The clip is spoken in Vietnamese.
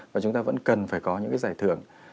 và chúng ta vẫn cần phải có những cái giải thưởng